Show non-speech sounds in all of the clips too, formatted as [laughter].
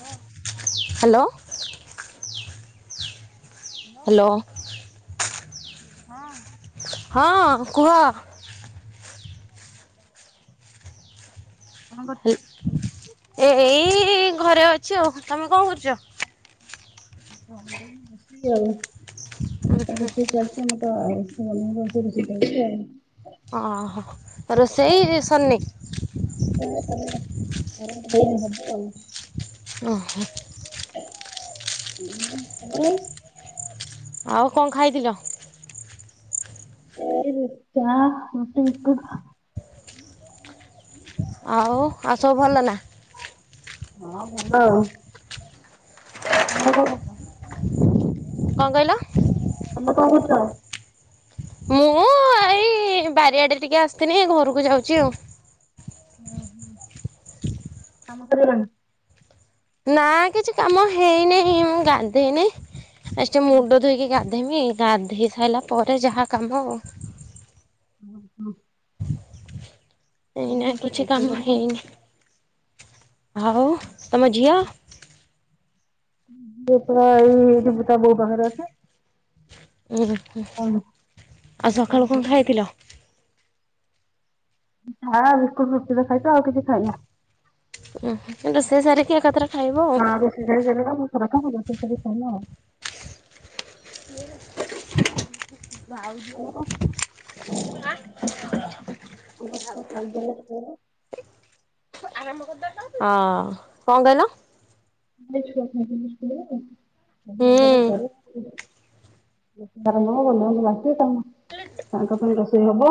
ଲୋ hello. Hello ହଁ। ହଁ କୁହ। କଣ କରୁଛ? ଏ ଏଇ ଘରେ ଅଛି ଆଉ। ତୋମେ କଣ କରୁଚ? [inaudible] ରୁଷେଇ ଆଉ ରୁଷେଇ ଚାଲ ତୋମେ ତ [unintelligible] ଶିଖଉଛି ଆଉ। ଓହୋ, ରୋଷେଇ ରେ ସରିନି? [unintelligible] ହବ ଆଉ। ଓହୋ। [inaudible] ତୋମେ ଆଉ କଣ ଖାଇଥିଲ? [unintelligible] ବି-ଚାହା ରୁଟି ବିସ୍କୁଟ୍। ଆଉ ଆଉ ସବୁ ଭଲ ନା? ହଁ ଭଲ, ତୋମର କଣ କରୁଛ? କଣ କହିଲ? ତୋମେ କଣ କରୁଛ? ମୁଁ ଏଇ ବାରିଆଡେ ଟିକେ ଆସିଥିନି ଘରକୁ ଯାଉଚି ଆଉ। ଓ ହଁ କାମ ସରିଗଲାଣି ନା? ନା କିଛି କାମ ହେଇନି। ମୁଁ ଗାଧେଇନି ଆ ଟିକେ ମୁଣ୍ଡ ଧୋଇକି ଗା ଧେଇମି, ଗାଧୋଇ ସାଇଲା ପରେ ଯାହା କାମ। ଅଁ, ହଁ। ଏଇନା କହିଲି କିଛି ରୋଷେଇ କାମ କରିବା। ହେଇନି। ଆଉ ତମ ଝିଅ [inaudible] ପୁଅ ପରା ଏଇ ଡୁଗୁ ତା ବୋଉ ପାଖରେ ଅଛି। ଆଚ୍ଛା, ଆଉ ସଖାଳୁ କଣ ଖାଇଥିଲ? ବିସ୍କୁଟ ଚା ବିସ୍କୁଟ ରୁଟି ତ ଖାଇଛି ଆଉ କିଛି ଖାଇନି। ଓ ହୋ ରୋଷେଇ ସାରିକି ଏକାଥରେ ଖାଇବ ଆଉ। ହଁ ରୋଷେଇ ସାରିକି [unintelligible] ସେ ସବୁ ସଇଲା। [inaudible] ଆଉ। ଭାଉଜ [inaudible] ବାପା ଖାଇଗଲେ ସେଉଠୁ ହଁ କଣ କହିଲ? [unintelligible] [unintelligible] ବନ୍ଧୁ ହୁଁ ବାନ୍ଧବ ଆସିବେ ତାଙ୍କ ପାଇଁ ରୋଷେଇ ହବ।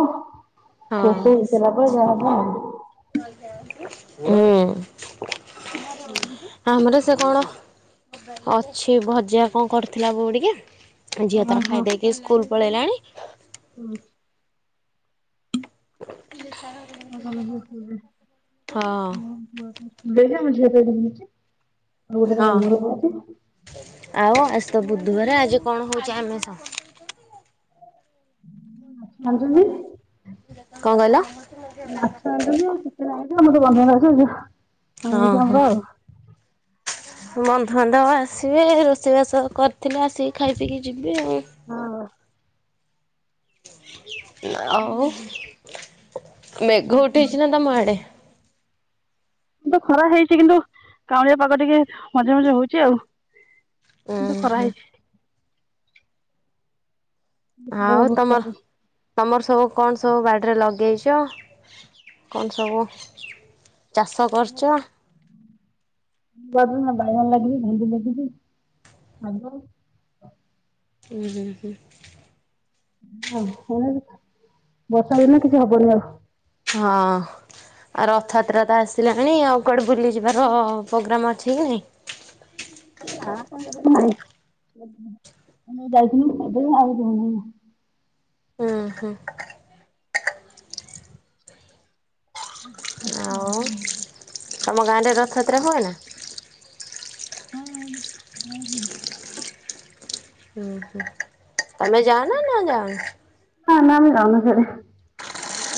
ହଁ ରୋଷେଇ ହେଇସାଇଲା ପରେ ଯାହା ହବ। ହୁଁ। ଆମର ସେ କଣ ଅଛି ଭଜା କଁ କରିଥିଲା ବୋଉ ଟିକେ ଝିଅ ଓହୋ ତାର ଖାଇଦେଇ ସିଏ ସ୍କୁଲ ପଳେଇଲାଣି। ହୁଁ। [unintelligible] ମୋ ସାନ ଝିଅ ସ୍କୁଲ୍ ଯିବ, ହଁ [unintelligible] ଦେଖେ ମୋ ଝିଅ ତତେ ଡୁଙ୍ଗୁଚି ହଁ। [unintelligible] ଆଉ ଆଜି ତ ବୁଧବାର ଆଜି କଣ ହଉଛି ଆମିଷ? ଆଣଚନ୍ତି। କଁ କହିଲ? ମାଛ ଆଣିଛନ୍ତି, ଆଉ ଚିକେନ [unintelligible] ହଁ ଆମିଷ ଆମର ହଁ। [inaudible] ବନ୍ଧୁବାନ୍ଧବ ଆସିବେ ରୋଷେଇବାସ କରିଥିଲେ ଆସିକି ଖାଇ ପିଇକି ଯିବେ ଆଉ। ହଁ। ଆଉ ମେଘ ଉଠେଇଛି ନା ତମ ଆଡେ? ତ ଖରା ହେଇଛି କିନ୍ତୁ କାଉଁଳିଆ ପାଗ ଟିକେ ମଝିରେ ମଝିରେ ହଉଛି ଆଉ। କିନ୍ତୁ ଉୁଁ ଖରା ହୁଁ ହେଇଛି। ଆଉ ତମର ବର୍ଷା ତମର ସବୁ କଣ ସବୁ ବାଡ଼ିରେ ଲଗେଇଛ କଣ ସବୁ ଚାଷ କରିଚ? [unintelligible] ବାଇଗଣ ଲାଗିଚି, ଭେଣ୍ଡି ଲାଗିଚି, ଶାଗ। ଉଁ ହୁଁ ହୁଁ। ଓ ହେ ବର୍ଷା ଦିନ କିଛି ହବନି ଆଉ। ହଁ। ଆ ରଥଯାତ୍ରା ତ ଆସିଲାଣି ଆଉ କୁଆଡ଼େ ବୁଲିଯିବାର ପ୍ରୋଗ୍ରାମ୍ ଅଛି କି ନାହିଁ? ନା ସେମତି କିଛି ନାହିଁ। [unintelligible] ଆଉ ଜିମିନି ଏଇନା। ହୁଁ ହୁଁ। ଶାସୁ ଆଉ [unintelligible] ତମ ଗାଁରେ ରଥଯାତ୍ରା ହୁଏ ନା? ହଁ [unintelligible] ହୁଏ। ହୁଁ ହୁଁ ତମେ ଯାଅ ନା ନା ଜାଅନି? ନାଁ ଆମେ ଆମେ ଯାଉନା ସିଆଡେ।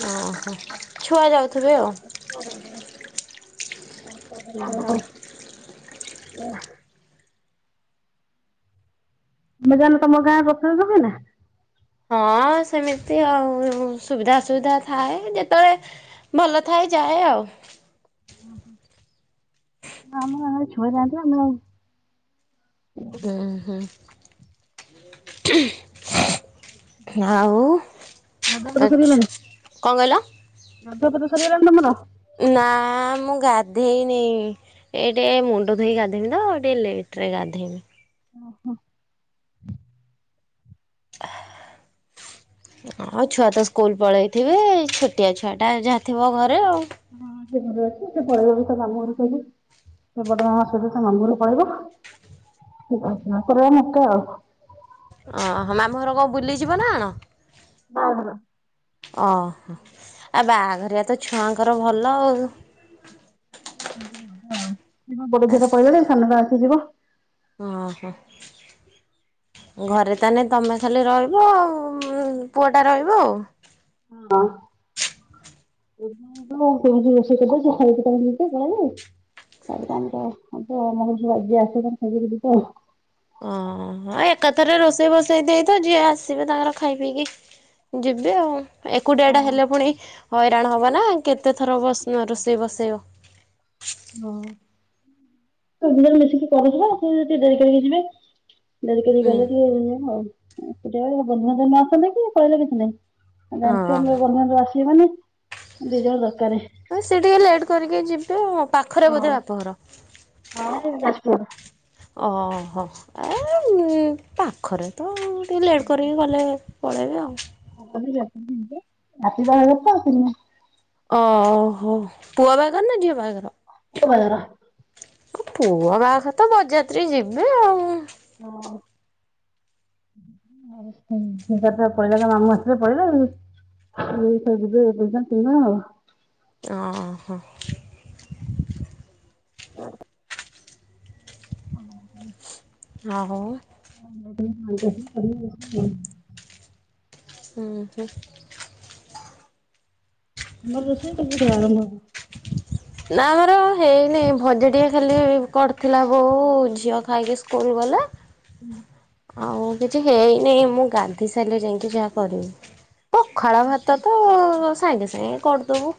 ଓହୋ ଛୁଆ ଯାଉଥିବେ ଆଉ। ଛୁଆ ଯାଉଚନ୍ତି [unintelligible] [unintelligible] ହଁ ସେମିତି ଆଉ ସୁବିଧା ଅସୁବିଧା ଥାଏ ଯେତେବେଳେ ଭଲ ଥାଏ ଯାଏ ଆଉ। ଓହୋ ଆମ ଆମର ଛୁଆ ଯାଆନ୍ତି ଆମେ ଆମେ ଆଉ ଉଁ ହୁଁ। ଆଉ ଗାଧୁଆ ପାଧୁଆ ଆଛା ସରିଗଲାଣି କଣ କହିଲ? [unintelligible] ସରିଗଲାଣି ତମର? ନା ମୁଁ ଗାଧେଇ ନେଇଁ। ଏ ଟେ ମୁଣ୍ଡ ଧୋଇ ଗାଧେଇମି ତ ଟିକେ ଲେଟ ରେ ଗାଧୋଇମି। ଓହୋ। ହ ଆଉ ଛୁଆ ତ ସ୍କୁଲ ପଳେଇଥିବେ ଛୋଟିଆ ଛୁଆଟା ଯାହା ଥିବ ଘରେ ଆଉ। ହଁ ସେ ଘରେ ଅଛି। ସେ ପଳେଇବ ବି ତା ମାମୁଁଘରକୁ ଆଜି। ସେ ବଡ଼ ମା ସହିତ ତା ମାମୁଁ ଘରକୁ ପଳେଇବ। ୟାଙ୍କର ମୁଁ ଏକା ଆଉ। ଓହୋ, ମାମୁଁ ଘର କଣ ବୁଲିଯିବ ନା କନ? ହଁ ହଁ। ଓହୋ, ଆଉ ବାହାଘରିଆ ତ ଛୁଆଙ୍କର ଭଲ ଆଉ। [unintelligible] ବଡ ଝିଅଟା ପଳେଇଗଲାଣି। ସାନଟା ଅଛି ଯିବ। ଅଁ ହଁ। ଘରେ ତାହେଲେ ତମେ ଖାଲି ରହିବ, ଆଉ ପୁଅଟା ରହିବ ଆଉ। ହଁ। ହଁ ହଁ ସେତ କହିଚି ରୋସେଇ କରଦବ ଖାଇଦେଇକି ତମେ ପଳେଇବ ଆଉ। ତାହାଲେ ତ ଆମର ହବ ଆମର ଯିଏ ଆଜି ଆସେ ଖାଇ ଦେଇକି ଯିବ ଆଉ। ଓହ ଏକାଥରେ ରୋଷେଇ ବସେଇ ଦେଇଥା, ଯିଏ ଆସିବେ ତାଙ୍କର ଖାଇ ପିଇକି ଯିବେ ଆଉ ଏକୁଟିଆଟା ହେଲେ ପୁଣି ହଇରାଣ ହବ ନା କେତେ ଥର ବସେଇବ ରୋଷେଇ ବସେଇବ। ହଁ ଦିଜଣ ମିଶିକି କରିଯିବା ସେ ଯଦି ଡେରି କରିକି ଯିବେ। ଦେରି କରିକି ହୁଁ ଗଲେ ଟିକେ ଏଇଆ ଆଉ। ବନ୍ଧୁବାନ୍ଧବ ନ ଆସନ୍ତେ କି ନ ହେଲେ କିଛି ନାହିଁ। ଜାଣିଚ ମୋ ହଁ ବନ୍ଧୁ ବାନ୍ଧବ ଆସିବେ ମାନେ ଦି ଜଣ ଦରକାର। ବାସ୍, ସେଏ ଟିକେ ଲେଟ୍ କରିକି ଯିବେ ଆଉ। ପାଖରେ ବୋଧେ ବାପଘର? ହଁ ଯାଜପୁର ଓହୋ ଏ ପାଖରେ ତ ଆଉ, ଟିକେ ଲେଟ୍ କରିକି ଗଲେ ପଳେଇବେ ଆଉ। [unintelligible] ଓହୋ। ପୁଅ ବାହାଘର ନା ଝିଅ ବାହାଘର? ପୁଅ ବାହାଘର। ପୁଅ ବାହାଘର ତ ବରଯାତ୍ରୀ ଯିବେ ଆଉ। ହଁ। ଓହୋ [unintelligible] ପଳେଇଲା ତା ମାମୁଁ ଆସିଲେ ପଳେଇଲା ଆଉ। ସିଏ ତ ଯିବେ, ଏକା ତୁମେ ଆଉ। ଓ ହୋ। [unintelligible] ହଁ। ଆଉ [unintelligible] ଉଁ ହୁଁ। ନ ରୋଷେଇ କେମିତି ଆରମ୍ଭ ହବ? ନା ଆମର ହେଇନି, ଭଜା ଟିକେ ଖାଲି କରିଥିଲା ବୋଉ। ଝିଅ ଖାଇକି ସ୍କୁଲ ଗଲା। ହୁଁ। ଆଉ କିଛି ହେଇନି ମୁଁ ଗାଧୋଇ ସାଇଲେ ଯାଇକି ଯାହା କରିବି। ପଖାଳ ଭାତ କୁ ସାଙ୍ଗେ ସାଙ୍ଗେ କରୁଦବୁ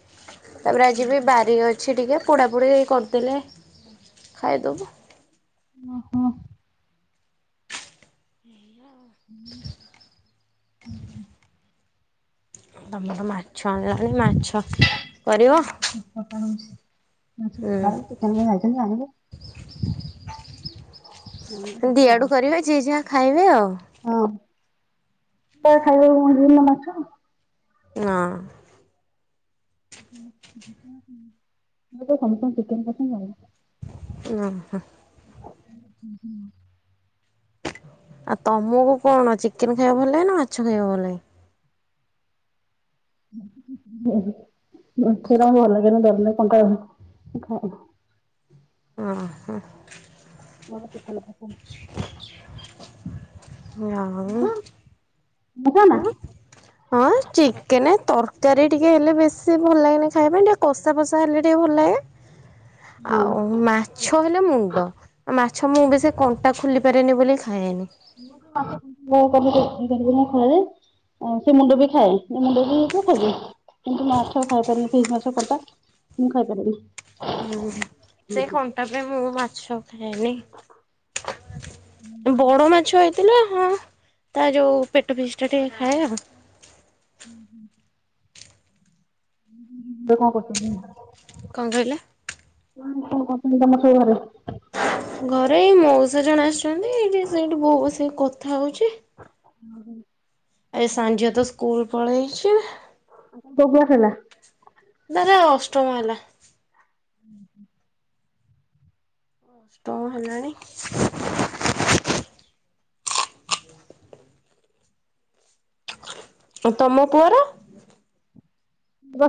ତାପରେ ଆଜି ବି ବାରି ଅଛି। କିଛି ଟିକେ ପୋଡ଼ାପୋଡ଼ି କରିଦେଲେ ଖାଇଦବୁ। ଅ ହଁ। ଏଇଆ ଆଉ। ଉଁ ହୁଁ ହୁଁ। ତମର ମାଛ ଆଣିଲନି ମାଛ କରିବ। [inaudible] ହୁଁ ସିଏ ତାଙ୍କର ଯାଇଛନ୍ତି ଆଣିବେ। ହୁଁ ହୁଁ। ଦିଆଡୁ କରିବେ ଯିଏ ଯାହା ଖାଇବେ ଆଉ। ହଁ ତ ଖାଇବେ [inaudible] ମାଛ। ନାଁ। [inaudible] ଚିକେନ ପସନ୍ଦ ଆଉ। ନୁହଁ। ଉଁ ହୁଁ। ଆଉ ତମକୁ କଣ ଚିକେନ ଖାଇବାକୁ ଭଲ ନା ମାଛ ଖାଇବାକୁ ଭଲ ଲାଗେ। ସେ ମାଛ ଖାଇବାକୁ ଭଲ ଲାଗେନି ଡରଲାଗେ କଣ୍ଟା ଡରଲାଗେ ମୁଁ ଖାଏନି। ଅଁ ହଁ। ମୋର ଚିକେନ ପସନ୍ଦ। ଆଉ। ଦେଖିବୁ ଏଇନା। ହଁ ଚିକେନ ତରକାରୀ ଟିକେ ହେଲେ ବେଶୀ ଭଲ ଲାଗେନି ଖାଇବା ପାଇଁ ଟିକେ କଷା ଫଷା ହେଲେ ଟିକେ ଭଲ ଲାଗେ। ଆଉ ମାଛ ହେଲେ ମୁଣ୍ଡ ମାଛ ଆଛା ମୁଁ ବି ସେ କଣ୍ଟା ଖୋଲି ପାରାରେନି ବୋଲି ଖାଏନି। [inaudible] ସେ ମୁଣ୍ଡ ବି ଖାଏ ସେ ମୁଣ୍ଡ ବି ଖାଇବି କିନ୍ତୁ ମାଛ ଖାଇପାରେନି ପିସ ମାଛ କଣ୍ଟା। ମୁଁ ଖାଇପାରେନି। ହୁଁ ସେ କଣ୍ଟା ପାଇଁ ମୁଁ ମାଛ ଖାଏନି ବଡ ମାଛ ଏ ଥିଲା ହଁ ତା ଯୋଉ ପେଟ ପିସ ଟା ଟିକେ ଖାଏ ଆଉ। ହୁଁ ହୁଁ। ତୁ କଣ କହୁଚୁ। କଣ କହିଲା। କଣ କଣ କରୁଛନ୍ତି ତମ ସବୁ ଘରେ। ଘରେ ଏଇ ମଉସ ଜଣେ ଆସିଛନ୍ତି ଏଇଠି ସେଇଠି ବୋଉ ବସିକି କଥା ହଉଛି। ଉଁ ହୁଁ। ଆ ସାନ ଝିଅ ତ ସ୍କୁଲ ପଳେଇଛି। ଆଉ ତମ କୋଉ କ୍ଲାସ ହେଲା। ତାର ଅଷ୍ଟମ ହେଲା। ଉଁ ହୁଁ। ଅଷ୍ଟମ ହେଲାଣି। ଆଉ ତମ ପୁଅର।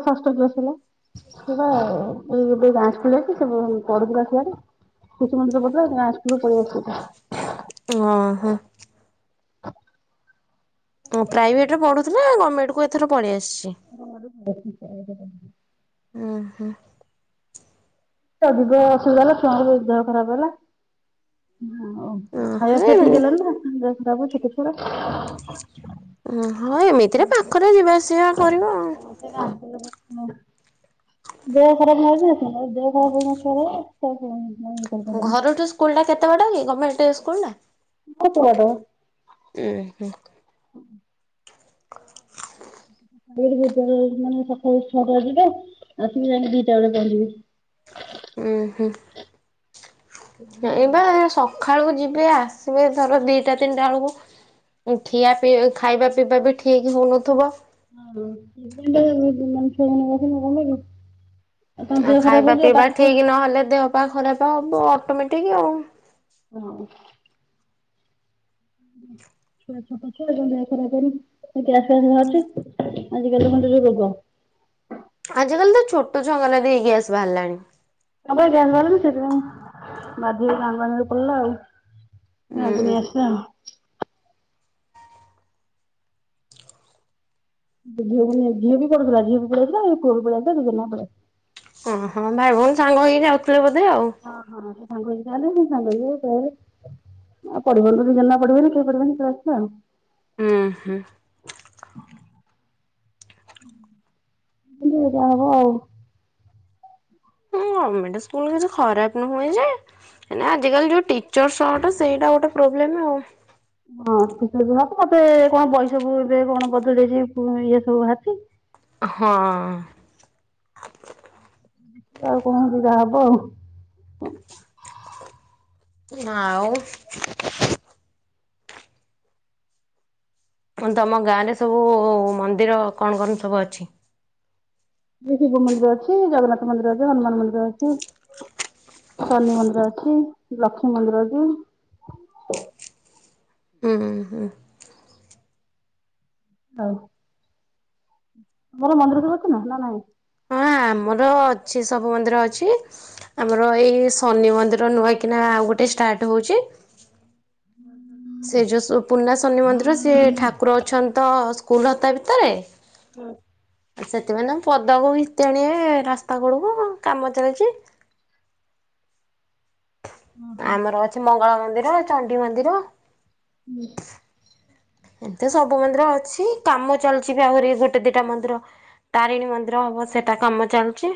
ଷଷ୍ଠ କ୍ଲାସ ହେଲା। ଏବେ ଗାଁ ସ୍କୁଲ ଆସିଛି ସେ ପଢୁ ଥିଲା ସିଆଡେ। କିଛି ମିର ପଁ ସ୍କୁଲୁ ପଢେଇ ଆସ [unintelligible] ଅ ହଁ। ତ ପ୍ରାଇଭେଟ୍ରରେ ପଢ଼ୁଥିଲା ଗର୍ଣ୍ଣମେଣ୍ଟକୁ ଏଥର ପଳିଆସିଛି। ହ [unintelligible] ଉହୁଁ। ସବୁ ଗ ଅସୁବିଧା ହେଲା ଛୁଆର ବି ଦେହ ଖରାପ ହେଲା ଓ ଖାଇବା ଓହୋ ପିଇବା ଠିକହେଲାନି [unintelligible] ଛୋଟ ଛୁଆ ଟା। ହଁ ଏମିତିରେ ପାଖରେ ଯିବା ଆସିବା କରିବ ଆଉ। କେ [unintelligible] ଦେହ ଖରାପ ନ ଦେହ ଖରାପ ହଇନଥିବ [unintelligible] ଘରଠୁ ସ୍କୁଲୁଟା କେତେ ବାଟା କି ଗମେଣ୍ଟ ସ୍କୁଲୁଟା? ଅଳ୍ପ ବାଟ। ଉ ହୁଁ। [unintelligible] ସକାଳ ଛଅଟା ଯିବେ ଆସିବି ଯାଇକି ଦିଟା ବେଳେ ପହଞ୍ଚିବି। ଉହୁଁ। ହେଇ ବା ସକାଳୁ ଯିବେ ଆସିବେ ଧର ଦିଇଟା ତିନିଟା ବେଳକୁ। ଏ ଠିଆ ପିଇ ଖାଇବା ପିଇବା ବି ଠିକ୍ ହଉନଥିବ। ହଁେ ଛଅ ଦିନ [unintelligible] ଆଉ ଖାଇବା ପିଇବା ପଢ ଠିକ ନହେଲେ ଦେହ ପା ଖରାପ ହବ ଅଟୋମେଟିକ ଆଉ। ହଁ। ହୁଁ। ଛୁଆ ଛୋଟ ଛୁଆ ଦେହ ଖରାପ କରି ଗ୍ୟାସ ଫ୍ୟାସ ବାହାରୁଛି ଆଜିକାଲି ଖଣ୍ଡ ଯୋଉ ରୋଗ ଆଜିକାଲି ତ ଛୋଟ ଛୁଆଙ୍କର ବି ଗ୍ୟାସ୍ ବାହାରିଲାଣି। ତା ଗ୍ୟା ବାହାରନି ସେଥିପାଇଁ ବାଧିକ କାଙ୍ଗଙ୍ଗରେ ପଡିଲା ଆଉ [unintelligible] ଉଁ ନାକୁୁନି ଆସ ଆ [unintelligible] ଝିଅ ବି ଝିଅ ବି ପଢ଼ୁଥିଲା ଝିଅ ବି ପଳିଆସିଲା ଏଇ ପୁଅ ବି ପଳିଆସିଲ ଦିଜଣ ଯାଙ୍କ ପଳିଆସିଲେ। କହୋ ଭାଇ ଭଉଣୀ ସାଙ୍ଗ ହେଇକି ଯାଉଥିଲେ ବୋଧେ ଆଉ। ହଁ ହଁ ସେ ସାଙ୍ଗ ହେଇକି ଯାଆନ୍ତି ପୁଣି ସାଙ୍ଗ ହେଇକି ଆଉ ପଢିବନି ତ ଦି ଜଣ ଯାକ ପଢିବେନି କେହି ପଢିବନି [unintelligible] ଉ ହୁଁ। ଯାହା ହବ ଆଉ ଗମେଣ୍ଟ ସ୍କୁଲ କିଛି ଖରାପ ନୁହଁ ଯେ ହେଲେ ଆଜିକାଲି ଯୋଉଁ ଟିଚର ସର୍ଟ ସେଇଟା ଗୋଟେ ପ୍ରୋବ୍ଲେମ୍ ଆଉ ହଁ ମତେ କଣ ପାଇଶା ବୁ ଏବେ କଣ ବଦଳି ଯାଇଛି ଇଏ ସବୁ ବାହାରିଛି [unintelligible] ହଁ। ଆଉ କଣ ଯେ ଯାହା ହବ ଆଉ। ଆଉ ଫୁଣି ତମ ଗାଁ ରେ ସବୁ ମନ୍ଦିର କଣ କଣ ସବୁ ଅଛି? ଶିବ ମନ୍ଦିର ଅଛି ଜଗନ୍ନାଥ ମନ୍ଦିର ଅଛି ହନୁମାନ ମନ୍ଦିର ଅଛି। ଶନି ମନ୍ଦିର ଅଛି ଲକ୍ଷ୍ମୀ ମନ୍ଦିର ଅଛି। ହୁଁ ହୁଁ। ହଉ [unintelligible] ତମର ମନ୍ଦିର ସବୁ ଆଛି ନା ନା ନାଇଁ? ହଁ ଆମର ଅଛି ସବୁ ମନ୍ଦିର ଅଛି। ଆମର ଏଇ ଶନି ମନ୍ଦିର ନୂଆ କିନା ଆଉ ଗୋଟେ ଷ୍ଟାର୍ଟ ହୋଉଚି। ସେ ଯୋ ପୂର୍ଣା ଶନି ମନ୍ଦିର ସେ ଠାକୁର ଅଛନ୍ତି ତ ସ୍କୁଲ ହତା ଭିତରେ ହୁଁ। ସେଥିପାଇଁ ତାଙ୍କୁ ପଦାକୁ ଘିତୀ ଆଣିବେ ରାସ୍ତା କଡକୁ କାମ ଚାଲଚି। ଆମର ଅଛି ମଙ୍ଗଳା ମନ୍ଦିର ଚଣ୍ଡି ମନ୍ଦିର। ହୁଁ। ଏତେ ସବୁ ମନ୍ଦିର ଅଛି କାମ ଚାଲଚି ବି ଆହୁରି ଗୋଟେ ଦିଟା ମନ୍ଦିର। ତାରିଣୀ ମନ୍ଦିର ହବ ସେଟା କାମ ଚାଲୁଚି।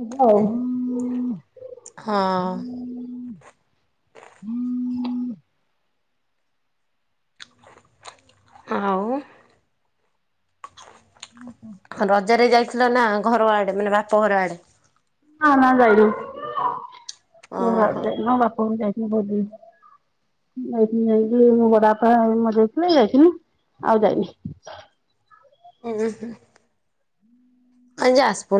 ହବ ଆଉ। ହଁ। ଆଉ ଓହୋ। ହ ରଜରେ ଯାଇଥିଲ ନା ଘର ଆଡେ ମାନେ ବାପ ଘର ଆଡେ? ନା ନା ଯାଇନୁ ଘର ଓହୋ। ଆଡେ ଯାଇନୁ, ବାପ ଘରକୁ ଯାଇଥିନି ବହୁତ୍ ଦିନ ଯାଇଥିନି ଯାଇକି ମୋ ବଡାପା ମରଜାଇଥିଲେ ଯାଇଥିନି ଆଉ ଯାଇନି। [unintelligible] ଆ ଯାସପୁର